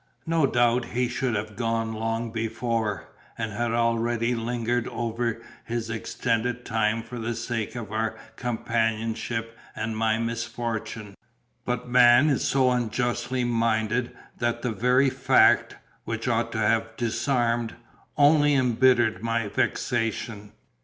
No doubt he should have gone long before, and had already lingered over his intended time for the sake of our companionship and my misfortune; but man is so unjustly minded that the very fact, which ought to have disarmed, only embittered my vexation.